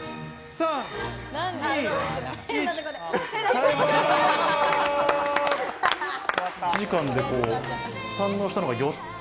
１時間で堪能したのが４つ。